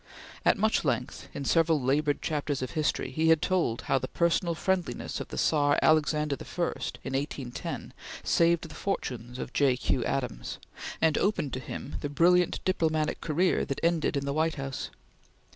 At much length, in several labored chapters of history, he had told how the personal friendliness of the Czar Alexander I, in 1810, saved the fortunes of J. Q. Adams, and opened to him the brilliant diplomatic career that ended in the White House.